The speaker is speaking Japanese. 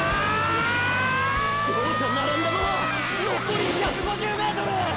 両者並んだままのこり１５０ｍ！！